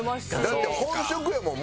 だって本職やもん。